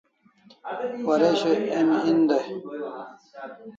Waresho emi en dai